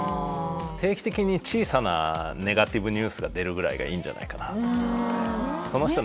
定期的に小さなネガティブニュースが出るぐらいがいいんじゃないかなと思いますね